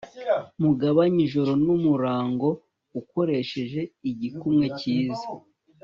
mugabanye ijoro n'umurango ukoresheje igikumwe cyiza